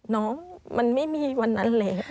น้องมันไม่มีวันนั้นเลย